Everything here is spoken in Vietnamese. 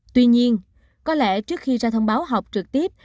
tuy nhiên có lẽ trước khi ra thông báo học trực tiếp